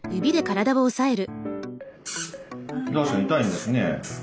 確かに痛いんですね。